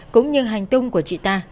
cũng như hành tung của chị ta